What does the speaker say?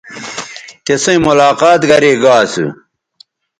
تِسئیں ملاقات گرے گا اسو